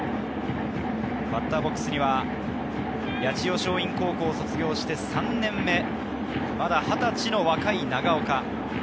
バッターボックスには八千代松陰高校を卒業して３年目、まだ２０歳の若い長岡。